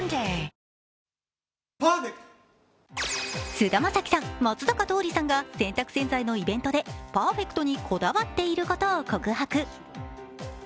菅田将暉さん、松坂桃李さんが洗濯洗剤のイベントでパーフェクトにこだわっていることを告白。